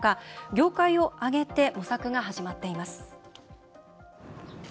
業界を挙げて模索が始まっています。